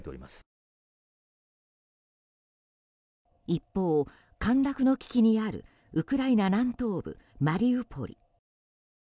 一方、陥落の危機にあるウクライナ南東部マリウポリ。